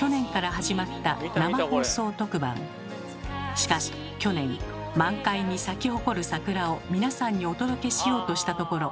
しかし去年満開に咲き誇る桜を皆さんにお届けしようとしたところ。